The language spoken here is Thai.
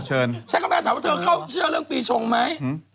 เอ่อคือบิเธอเข้าเชื่อเรื่องปีชงไหม